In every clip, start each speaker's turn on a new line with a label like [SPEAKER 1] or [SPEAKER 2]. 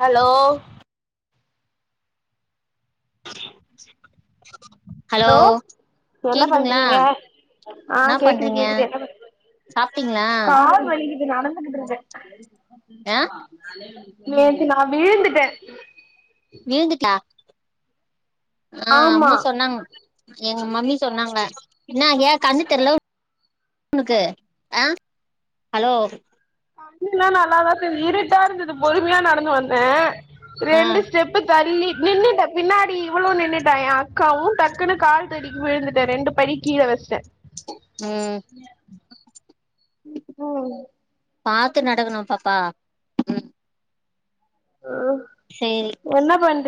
[SPEAKER 1] hello
[SPEAKER 2] hello
[SPEAKER 1] லோ என்ன
[SPEAKER 2] கேக்குதுங்களா
[SPEAKER 1] பண்றீங்க ஆ
[SPEAKER 2] என்ன
[SPEAKER 1] கேக்குது
[SPEAKER 2] பண்றீங்க
[SPEAKER 1] கேக்குது என்ன பண்
[SPEAKER 2] சாப்ட்டீங்களா
[SPEAKER 1] கால் வலிக்கிது நடந்துகுட்ருக்கே
[SPEAKER 2] ஏ
[SPEAKER 1] நேத்து நா வீழ்ந்துட்ட
[SPEAKER 2] வீழ்ந்துட்டியா ஆ
[SPEAKER 1] ஆமா
[SPEAKER 2] அம்மா சொன்னாங்க எங்க மம்மி சொன்னாங்க என்னா ஏ கண்ணு தெர்ல உ னுக்கு அ ஹலோ
[SPEAKER 1] கண்ணுல்லா நல்லாதா தெரிது இருட்டா இருந்துது பொறுமையா நடந்து வந்த
[SPEAKER 2] ஆ
[SPEAKER 1] ரெண்டு ஸ்டெப் பு தள்ளி நின்னுட்ட பின்னாடி இவ்ளு நின்னுட்டா எ அக்காவு டக்குனு கால் தடிக் விழுந்துட்டே ரெண்டு படி கீழ வச்ட
[SPEAKER 2] ம்
[SPEAKER 1] ம்
[SPEAKER 2] பாத்து நடக்கணு பாப்பா ம்
[SPEAKER 1] அ
[SPEAKER 2] சேரி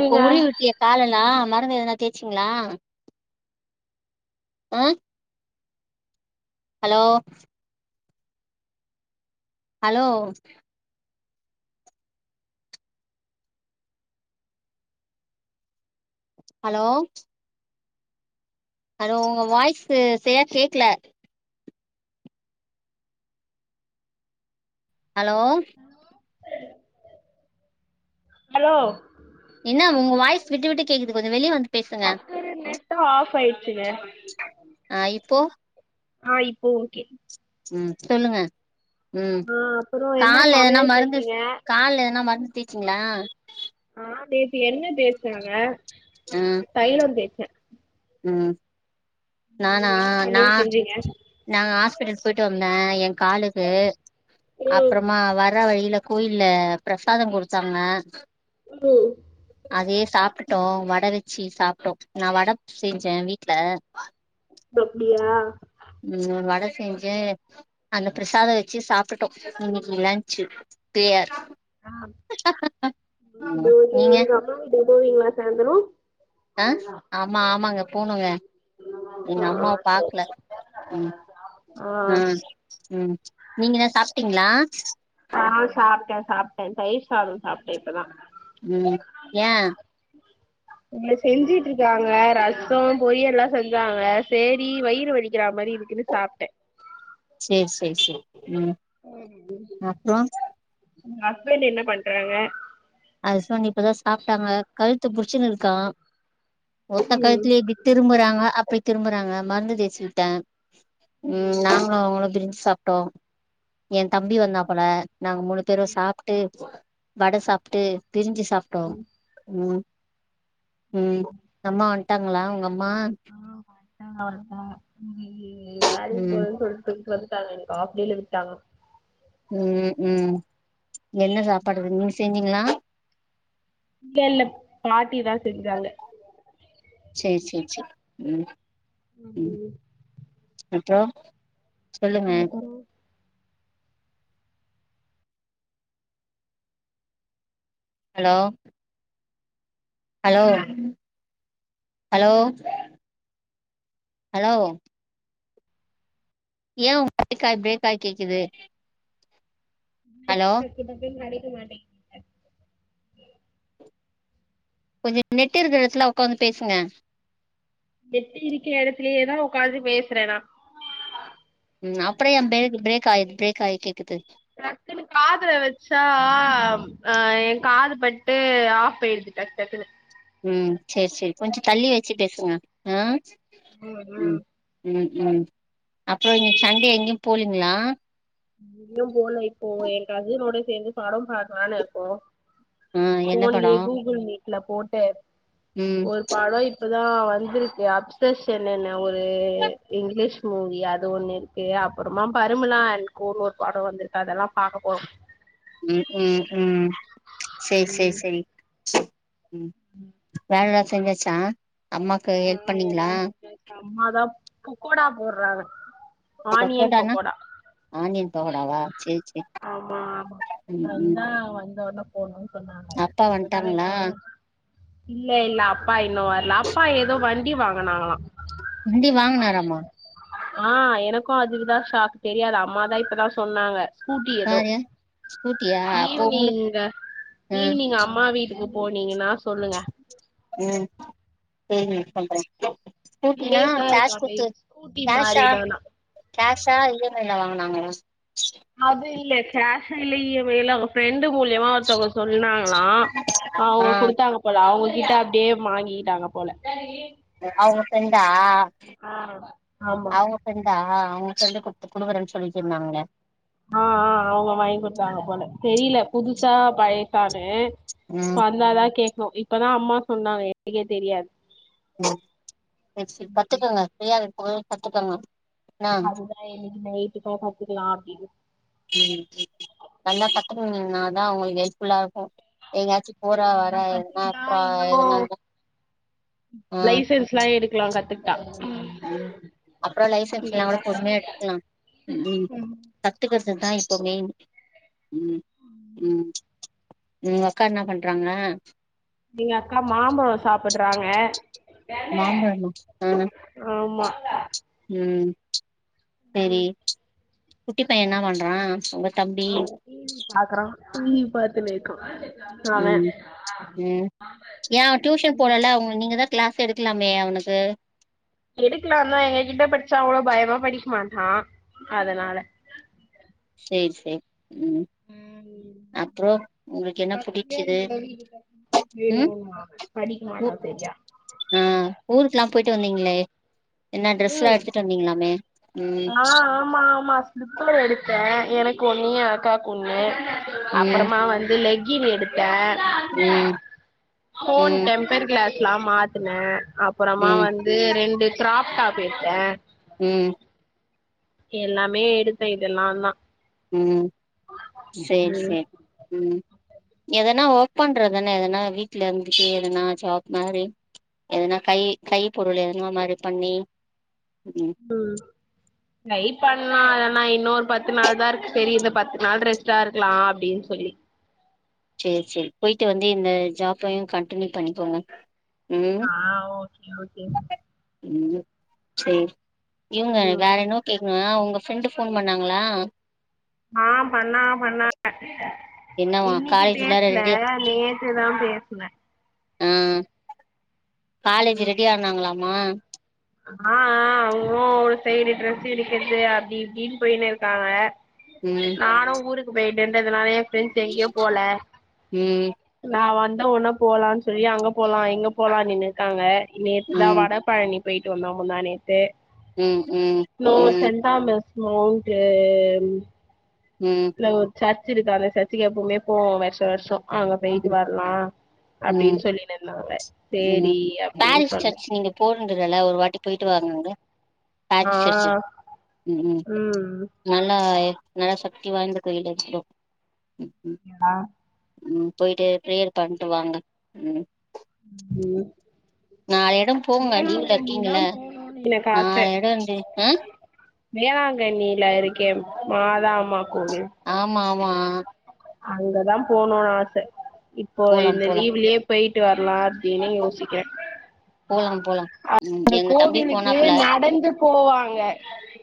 [SPEAKER 2] இப்போ உருவி விட்டியா காலல்லா மருந்து எதனா தேச்சிங்ளா அ ஹலோ ஹலோ ஹலோ ஹலோ உங்க வாய்ஸு சரியா கேக்ல அலோ
[SPEAKER 1] ஹலோ
[SPEAKER 2] என்னா உங்க வாய்ஸ் விட்டு விட்டு கேக்குது கொஞ்சோ வெளிய வந்து பேசுங்க
[SPEAKER 1] [inaudible] நெட்டு ஆஃப் ஆயிச்சுங்க
[SPEAKER 2] அ இப்போ
[SPEAKER 1] ஆ இப்போ ஓகே
[SPEAKER 2] ம் சொல்லுங்க ம்
[SPEAKER 1] ஆ அப்புறோ என்ன
[SPEAKER 2] கால்ல எதனா
[SPEAKER 1] சமையல்
[SPEAKER 2] மருந்து
[SPEAKER 1] செஞ்சீங்க
[SPEAKER 2] கால்ல எதனா மருந்து தேச்சிங்ளா
[SPEAKER 1] அ நேத்து எண்ண தேச்சாங்க
[SPEAKER 2] ம்
[SPEAKER 1] தைலோ தேச்ச
[SPEAKER 2] ம்
[SPEAKER 1] நீங்க
[SPEAKER 2] நானா
[SPEAKER 1] என்ன
[SPEAKER 2] நா
[SPEAKER 1] சமையல் செஞ்சீங்க
[SPEAKER 2] நா ஆஸ்பிட்டல் போய்ட்டு வந்த எ காலுக்கு
[SPEAKER 1] ம்
[SPEAKER 2] அப்றமா வா வர வழில கோயில்ல ப்ரசாதோ குடுத்தாங்க
[SPEAKER 1] ம்
[SPEAKER 2] அதே சாப்டுட்டோ வட வெச்சி சாப்ட்டோ நா வட செஞ்சே வீட்ல
[SPEAKER 1] மப்டியா
[SPEAKER 2] ம் வட செஞ்ச அந்த ப்ரசாத வச்சு சாப்டுட்டோ இன்னக்கி லன்சு கிளியர்
[SPEAKER 1] ஆ இருக்கு
[SPEAKER 2] ம்
[SPEAKER 1] போது
[SPEAKER 2] நீங்க
[SPEAKER 1] இருந்தாங்கனு [inaudible] சாந்தரோ
[SPEAKER 2] அ ஆமா ஆமாங்க போணுங்க எங்க அம்மா பாக்ல ம்
[SPEAKER 1] ஆ
[SPEAKER 2] அ ம் நீங்க என சாப்டீங்ளா
[SPEAKER 1] நா சாப்ட்டே சாப்ட்டே தயிர் சாதொ சாப்ட்டே இப்பதா
[SPEAKER 2] ம் யா
[SPEAKER 1] இல்ல செஞ்சுட்ருக்காங்க ரசோ பொரியல்லா செஞ்சாங்க சேரி வயிறு வலிக்ற மாரி இருக்குனு சாப்ட
[SPEAKER 2] சேரி சேரி சேரி ம்
[SPEAKER 1] ம்
[SPEAKER 2] அப்றோ
[SPEAKER 1] உங்க ஹஸ்பண்ட் என்ன பண்றாங்க
[SPEAKER 2] ஹஸ்பண்ட் இப்பதா சாப்டாங்க கழுத்து புடிச்சுன்னு இருக்கா ஒத்த
[SPEAKER 1] ம்
[SPEAKER 2] கழுத்துலயே இப்டி திரும்புறாங்க அப்டி திரும்புறாங்க மருந்து தேச்சி விட்ட ம் நாங்களு அவுங்களு திரும்பி சாப் டோ என் தம்பி வந்தாப்பல நாங்க மூணு பேரு சாப்ட்டு வட சாப் ட்டு பிரிஞ்சு சாப்ட்டோ ம் ம் அம்மா வன்ட்டாங்ளா உங்க அம்மா
[SPEAKER 1] ஆ வன்ட்டாங்க இன்னிக்கி வேலைக்
[SPEAKER 2] ம்
[SPEAKER 1] போறன் சொல்டு விட்டாங்க இன்னிக்கி ஆஃப்டேல விட்டாங்க
[SPEAKER 2] ம் ம் என்ன சாப்பாடு நீங்க செஞ்சீங்ளா
[SPEAKER 1] இல்ல இல்ல பாட்டி தா செஞ்சாங்க
[SPEAKER 2] சேரி சேரி சேரி ம் ம் அப்றோ சொல்லுங்க
[SPEAKER 1] அப்றோ
[SPEAKER 2] ஹலோ ஹலோ ஹலோ ஹலோ ஏன் உங்க வாய்ஸ் பிரேக் ஆயி பிரேக் ஆயி கேக்குது
[SPEAKER 1] நெட்
[SPEAKER 2] ஹலோ
[SPEAKER 1] டக்கு டக்குனு கடைக்கமாட்டங்
[SPEAKER 2] கொஞ்சோ நெட்டு இருக்குற இடத்துல உக்காந்து பேசுங்க
[SPEAKER 1] நெட்டு இருக்கிற இடத்துலயேதா உக்காந்து பேசுற நா
[SPEAKER 2] ம் அப்பற ஏன் பிரேக் பிரேக் ஆயி பிரேக் ஆயி கேக்குது
[SPEAKER 1] டக்குனு காதுல வச்சா ஆ என் காது பட்டு ஆஃப் ஆயிடுது டக்டக்குனு
[SPEAKER 2] ம் சேரி சேரி கொஞ்சம் தள்ளி வச்சி பேசுங்க ஆ ம் ம் ம் அப்பற நீங்க சண்டே எங்கயு போலீங்ளா
[SPEAKER 1] எங்கியு போல இப்போ என் கசினோடு சேந்து படம் பாக்லானு இருக்கோ
[SPEAKER 2] ஆ என்ன படோ
[SPEAKER 1] போன்லியே கூகுள் மீட்ல போட்டு
[SPEAKER 2] ம்
[SPEAKER 1] ஒரு படம் இப் இப்பதா வந்திருக்கு அப்சஷன்னு ஒரு இங்கிலீஷ் மூவி அது ஒண்ணு அப்பறமா பரிமலா அண் கோனு ஒரு படம் வந்துருக்கு அதல்லா பாக்க போறோ
[SPEAKER 2] ம் ம் ம் சேர் சேர்
[SPEAKER 1] ம்
[SPEAKER 2] சேரி ம் வேலலா செஞ்சாச்சா அம்மாக்கு
[SPEAKER 1] ஆ
[SPEAKER 2] ஹெல்ப்
[SPEAKER 1] எல்லா
[SPEAKER 2] பண்ணீங்ளா
[SPEAKER 1] முடிஞ்சாச்சு அம்மாதா பொக்கோடா போர்றாங்க
[SPEAKER 2] பகோடானா ஆனியன் பகோடாவா சேரி சேரி
[SPEAKER 1] ஆமா ஆமா
[SPEAKER 2] ம் ம்
[SPEAKER 1] வந்தா வந்த உடனே போட்னுன் சொன்னாங்க
[SPEAKER 2] அப்பா
[SPEAKER 1] இப்பதா
[SPEAKER 2] வந்ட்டாங்களா
[SPEAKER 1] வெங்காய இல்ல இல்ல அப்பா இன்னு வரல அப்பா ஏதோ வண்டி வாங்குனாங்களா
[SPEAKER 2] வண்டி வாங்குனாராமா
[SPEAKER 1] ஆ எனக்கு அது தா ஷாக் தெரியாது அம்மாதா இப்பதா சொன்னாங்க ஸ்கூட்டி எதோ
[SPEAKER 2] யாரு ஸ்கூட்டியா அப்போ உங்களுக்கு
[SPEAKER 1] ஈவ்னிங்க
[SPEAKER 2] ம்
[SPEAKER 1] ஈவ்னிங் அம்மா வீட்டுக்கு போனீங்கனா சொல்லுங்க
[SPEAKER 2] ம் சேரிங்க சொல்றே [inaudible] ஸ்கூட்டினா
[SPEAKER 1] லேசா இருக்கு
[SPEAKER 2] கேஷ்
[SPEAKER 1] அந்த
[SPEAKER 2] குட்த்து
[SPEAKER 1] ஸ்கூட்டி
[SPEAKER 2] கேஷா
[SPEAKER 1] மாரிதானா
[SPEAKER 2] கேஷா இ எம் ஐ ல வாங்குனாங்களா
[SPEAKER 1] அது இல்ல கேஷா இல்ல இ எம் ஐ லா ஃப்ரெண்டு மூல்யமா ஒருத்தவ்ங்க சொன்னாங்ளா அவ்ங்க
[SPEAKER 2] ஆ
[SPEAKER 1] குடுத்தாங்க போல அவுங்ககிட்ட அப்டியே மாங்கிகிட்டாங்க போல
[SPEAKER 2] அவுங்க ஃப்ரெண்டா
[SPEAKER 1] ஆ ஆமா
[SPEAKER 2] அவுங்க ஃப்ரெண்டா அவுங்க ஃப்ரெண்டு குட்த்து குடுக்கறன் சொல்லி சொன்னாங்ளே
[SPEAKER 1] ஆ ஆ அவுங்க வாங்கி குட்த்தாங்க போல தெரில புதுசா பயசானு ப்ப
[SPEAKER 2] ம்
[SPEAKER 1] வந்தாதா கேக்ணு இப்பதா அம்மா சொன்னாங்க எனக்கே தெரியாத்
[SPEAKER 2] சேரி சேரி கத்துக்கங்க ஃப்ரீயா இர்க்கும்போதே கத்துக்கங்க என்னா
[SPEAKER 1] அதுதா இன்னிக்கி நைட்டு போல கத்துக்கலா அப்டினு
[SPEAKER 2] ம் நல்லா கத்துக்கிங்னீங்ன்னாதா உங்களுக் ஹெல்ப்ஃபுல்லா இருக்கு எங்காச்சி போற வர
[SPEAKER 1] அதுதா
[SPEAKER 2] எதுனா
[SPEAKER 1] கத்துக்கிட்டா
[SPEAKER 2] அப்றோ
[SPEAKER 1] இன்னு
[SPEAKER 2] எதுனாலு ம்
[SPEAKER 1] ஸ்லா எடுக்கலா கத்துக்
[SPEAKER 2] ம் அப்றோ லைசன்ஸ்லா கூட பொறுமையா எடுத்துக்கலா ம் கத்துக்கற்துதா இப்ப மெய்ன் ம் ம் உங்கொக்கா என்ன பண்றாங்க
[SPEAKER 1] எங்கக்கா மாம்பழோ சாப்பட்றாங்க
[SPEAKER 2] மாம்பழமா ஆ
[SPEAKER 1] ஆமா
[SPEAKER 2] ம் செரி குட்டி பைய என்ன பண்றா உங்க தம்பி
[SPEAKER 1] அவ டி வி பாக்கறா டி வி பாத்துனுர்க்கா
[SPEAKER 2] ம் ம் ஏ அவ டியூஷன் போலல்ல அவ்ங்க நீங்க தா கிளாஸ் எடுக்கலாமே அவனுக்கு
[SPEAKER 1] எடுக்கலாந்தா எங்க கிட்ட படிச்சா அவ்ளோ பயமா படிக் மாட்றா அதனால
[SPEAKER 2] சேரி சேரி ம்
[SPEAKER 1] ம்
[SPEAKER 2] அப்றோ உங்களுக்கு என்ன
[SPEAKER 1] பக்கத்துலே
[SPEAKER 2] புடிச்சுது
[SPEAKER 1] இருக்குல்ல வீடு டக்குனு வேள்ல
[SPEAKER 2] ம்
[SPEAKER 1] ஓடுவா படிக்க
[SPEAKER 2] ஊ
[SPEAKER 1] மாட்டா செரியா
[SPEAKER 2] ஆ ஊருக்ல்லா போய்ட்டு வந்தீங்ளே என்ன ட்ரஸ்ல்லா எடுத்துட்டு வந்தீங்ளாமே
[SPEAKER 1] ஆ ஆமா ஆமா ஃப்லிப்புல எடுத்தே எனக் ஒன்னு ஏ அக்காக் ஒன்னு
[SPEAKER 2] ம்
[SPEAKER 1] அப்பறமா வந்து லெக்கின் எடுத் தே
[SPEAKER 2] ம்
[SPEAKER 1] ஃபோன்
[SPEAKER 2] ம்
[SPEAKER 1] டெம்ப்பர் கிளாஸ்லா மாத்துனே அப் பறமா
[SPEAKER 2] ம்
[SPEAKER 1] வந்து ரெண்டு கிராப் டாப் எடுத்தே
[SPEAKER 2] ம்
[SPEAKER 1] எல்லாமே எடுத்தே இதெல்லா தா
[SPEAKER 2] ம் சேரி சேர் ம் எதனா ஒர்க் பண்றதுனா எதனா வீட்ல இருந்துட்டு எதனா ஜாப் மாரி எதனா கை கை பொருளுங்க மாரி பண்ணி ம்
[SPEAKER 1] ம் ட்ரை பண்லா அதனா இன்னோரு பத்து நாள் தா இருக்கு செரி இந்த பத்து நாள் ரெஸ்ட்டா இருக்கலா அப்டின் சொல்லி
[SPEAKER 2] சேரி சேரி போய்ட்டு வந்து இந்த ஜாப்பயு கன்ட்டினியூ பண்ணிக்கோங்க ம்
[SPEAKER 1] ஆ ஓகே
[SPEAKER 2] ம் சேரி இவங்க
[SPEAKER 1] ம்
[SPEAKER 2] வேற என்னவோ கேக்குங்க ஒங்க ஃப்ரெண்டு் ஃபோன் பண்ணாங்களா
[SPEAKER 1] ஆ பண்ணாக பண்ணாக
[SPEAKER 2] என்னவா
[SPEAKER 1] இன்னக்கு
[SPEAKER 2] காலேஜ் எல்லா
[SPEAKER 1] பேசல
[SPEAKER 2] ரெடி
[SPEAKER 1] நேத் து தா பேசுனே
[SPEAKER 2] ஆ காலேஜ் ரெடி ஆனாங்களாமா
[SPEAKER 1] ஆ ஆ அவங்களு ஒரு சைடு ட்ரெஸ் எடுக்கிறது அப்டி இப்டின்னு போயின்னு இருக்காங்க
[SPEAKER 2] ம்
[SPEAKER 1] நானு ஊருக்கு போய்ட்டு வந்ததுனால ஏ ஃப்ரெண்ட்ஸ் எங்கயு போல
[SPEAKER 2] ம்
[SPEAKER 1] நா வந்த ஒன்ன போலான்னு சொல்லி அங்க போலா இங்க போலான்னு நின்னுட்டாங்க நேத்துதா
[SPEAKER 2] ம்
[SPEAKER 1] வட பழனி போயிட்டு வந்தோ முந்தாநேத்து
[SPEAKER 2] ம் ம்
[SPEAKER 1] இன்னோ
[SPEAKER 2] ம்
[SPEAKER 1] செந்தாமஸ் மவுண்ட்
[SPEAKER 2] ம்
[SPEAKER 1] அங்க ஒரு சர்ச் இருக்கு அந்த சர்ச்சுக்கு எப்பவுமே போவோ வருஷோ வருஷோ அங்க போயிட்டு வரலா
[SPEAKER 2] ம்
[SPEAKER 1] அப்டின்னு சொல்லின்னு இருந்தாங்க சேரி அப்டின்னு சொன்னே
[SPEAKER 2] போக வேண்டியதான ஒரு வாட்டி போயிட்டு வாங்கங்க சாரி
[SPEAKER 1] ஆ
[SPEAKER 2] சிஸ்டர் ம்
[SPEAKER 1] ம்
[SPEAKER 2] நல்லா நல்லா சக்தி வாய்ந்த கோவில் அது ம் ம்
[SPEAKER 1] என்னா
[SPEAKER 2] ம் போயிட்டு பிரேயர் பண்ட்டு வாங்க ம்
[SPEAKER 1] ம்
[SPEAKER 2] நாலு எடோ போங்க லீவ்ல
[SPEAKER 1] வேளாங்கண்ணிதா
[SPEAKER 2] இருக்கீங்கல்ல
[SPEAKER 1] போணுன்னு எனக்கு ஆச
[SPEAKER 2] நாலு எடோ இருந்து ஆ
[SPEAKER 1] வேளாங்கண்ணில இருக்கே மாதாம்மா கோவில்
[SPEAKER 2] ஆமா ஆமா
[SPEAKER 1] அங்கதா போணுன்னு ஆச இப்போ
[SPEAKER 2] போலாம்
[SPEAKER 1] இந்த
[SPEAKER 2] போலாம்
[SPEAKER 1] லீவுலயே போயிட்டு வரலா அப்டின்னு யோசிக்கிறே
[SPEAKER 2] போலாம் போலாம் ம்
[SPEAKER 1] அந்த
[SPEAKER 2] எங்க தம்பி
[SPEAKER 1] கோவிலுக்கு
[SPEAKER 2] போனாப்புல
[SPEAKER 1] நடந்து போவாங்க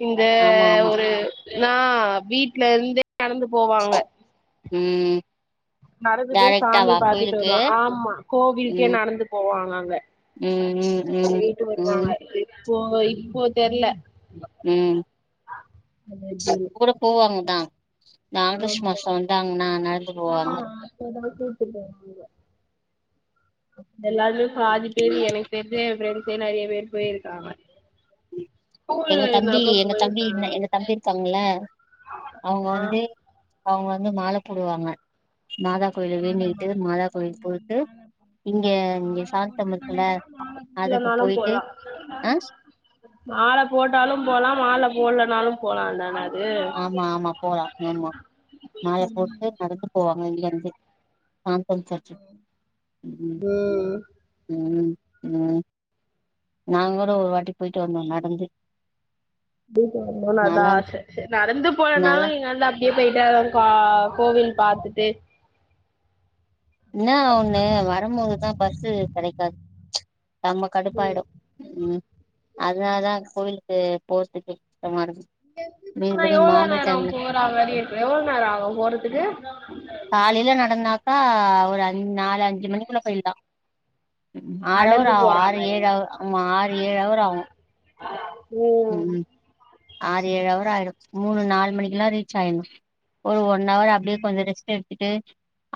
[SPEAKER 1] இந்த
[SPEAKER 2] ஆமா ஆமா
[SPEAKER 1] ஒரு நா வீட்ல இருந்தே நடந்து போவாங்க
[SPEAKER 2] ம்
[SPEAKER 1] நடந்து போய் சாமி
[SPEAKER 2] டேரக்டாவா
[SPEAKER 1] பாத்துட்டு
[SPEAKER 2] கோயிலுக்கு
[SPEAKER 1] வருவா ஆமா கோவில்கே
[SPEAKER 2] ம்
[SPEAKER 1] நடந்து போவாங்க அங்க
[SPEAKER 2] ம் ம் ம்
[SPEAKER 1] போயிட்டு வருவாங்க
[SPEAKER 2] ம்
[SPEAKER 1] இப்போ இப்போ தெர்ல
[SPEAKER 2] ம்
[SPEAKER 1] அது
[SPEAKER 2] இப்ப
[SPEAKER 1] எப்டின்னு
[SPEAKER 2] கூட போவாங்க தா இந்த ஆகஸ்ட்
[SPEAKER 1] ஆமா
[SPEAKER 2] மாசோ வந்தாங்கன்னா நடந்து போவாங்க
[SPEAKER 1] எதாச்சும் எல்லாருமே பாதி பேரு எனக்கு தெரிஞ்ச ஏ ஃப்ரெண்ட்ஸ் சே நெறைய பேர் போயிருக்காங்க ஸ்கூல்ல இருந்தப்ப போயிருக்காங்க
[SPEAKER 2] தங்கியிருக்காங்கல்ல அவங்க வந்து அவங்க வந்து மால போடுவாங்க மாதா கோயில வேண்டிக்கிட்டு
[SPEAKER 1] மாதமரம்
[SPEAKER 2] மாதா கோவில்
[SPEAKER 1] ம்
[SPEAKER 2] போயிட்டு
[SPEAKER 1] மால
[SPEAKER 2] இங்க இங்க
[SPEAKER 1] மால
[SPEAKER 2] சாந்தம்
[SPEAKER 1] போட்டு
[SPEAKER 2] இருக்குல்ல அதுக்கு
[SPEAKER 1] இல்லனாலு
[SPEAKER 2] போயிட்டு
[SPEAKER 1] போலா
[SPEAKER 2] ஆ
[SPEAKER 1] மால போட்டாலு போலா மால போடலனாலு போலால்ல நா
[SPEAKER 2] ஆமா ஆமா போலா ஆமா மால போட்டு நடந்து போவாங்க இங்க இருந்து காம்பன் சர்ச்சு ம்
[SPEAKER 1] ம்
[SPEAKER 2] ம் ம் நாங்க கூட ஒரு வாட்டி போயிட்டு வந்தோ நடந்து
[SPEAKER 1] போயிட்டு வரனுன்னு அதா
[SPEAKER 2] நல்லா
[SPEAKER 1] ஆச செரி நடந்து போலனாலு
[SPEAKER 2] நல்லா
[SPEAKER 1] இங்க இருந்து அப் இங்கே போய்ட்டாதா கா கோவில் பாத்துட்டு
[SPEAKER 2] என்னா ஒன்னு வரும்போதுதா பஸ்சு கெடைக்காது செம்ம கடுப்பாயிடு ம் அதனாலதா கோவிலுக்கு போறதுக்கு கஷ்டமாருக்கு
[SPEAKER 1] ஆனா எவ்ளோ நேரொ போறா மாறிருக்கு எவ்ளோ நேரோ ஆகு போறதுக்கு
[SPEAKER 2] காலைல நடந்தாக்கா ஒரு அஞ் நாலு அஞ்சு மணிக்குள்ள போயிடுலா ம் ஆறவர்
[SPEAKER 1] நடந்து
[SPEAKER 2] அ
[SPEAKER 1] போற
[SPEAKER 2] ஆறு ஏழு
[SPEAKER 1] மாரினா
[SPEAKER 2] அவர் ஆமா ஆறு ஏழு அவர் ஆவு ம் ஆறு ஏழு அவர் ஆயிடு மூணு நாலு மணிக்கெல்லா ரீச் ஆயினு ஒரு ஒன் நமளு அப்டியே கொஞ்சோ ரெஸ்ட் எடு த்துட்டு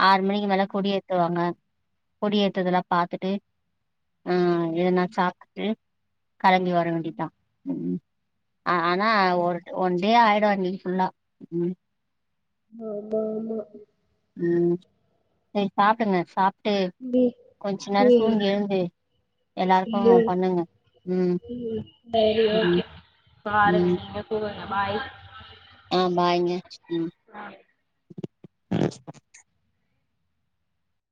[SPEAKER 2] ஆறு மணிக்கு மேல கொடி ஏத்துவாங்க கொடி ஏத்துதெல்லா பாத்துட்டு ம் எதனா சாப்ட்டு கெழம்பி வர வேண்டியத்தா ம் ஆனா ஒரு ஒன் டே ஆயிடு அன்னைக் ஃபுல்லா ம்
[SPEAKER 1] ஆமாமா
[SPEAKER 2] ம் சரி சாப்டுங்க சாப்ட்டு
[SPEAKER 1] ம்
[SPEAKER 2] கொஞ்ச
[SPEAKER 1] ம்
[SPEAKER 2] நேரோ
[SPEAKER 1] ம்
[SPEAKER 2] தூங்கி எழுந்து
[SPEAKER 1] [unintelligible]
[SPEAKER 2] எல்லாருக்கு
[SPEAKER 1] ம்
[SPEAKER 2] பண்ணுங்க ம்
[SPEAKER 1] செரி
[SPEAKER 2] ம்
[SPEAKER 1] ஓகே பாருங்க
[SPEAKER 2] ம்
[SPEAKER 1] நீங்க தூங்குங்க பாய்
[SPEAKER 2] ஆ பாய்ங்க ம்
[SPEAKER 1] [inaudible]